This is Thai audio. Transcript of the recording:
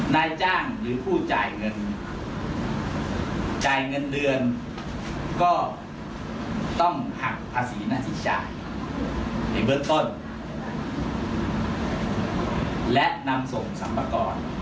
นายจ้างหรือผู้จ่ายเงินจ่ายเงินเดือนก็ต้องหักภาษีน่าใช้จ่ายในเบื้องต้นและนำส่งสรรพากร